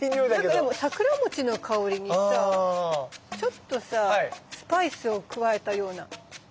なんかでも桜もちの香りにさちょっとさスパイスを加えたような。